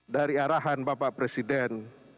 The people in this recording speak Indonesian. dari arahan bapak presiden